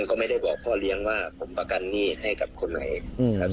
ก็ไม่ได้บอกพ่อเลี้ยงว่าผมประกันหนี้ให้กับคนไหนครับ